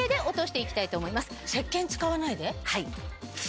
はい。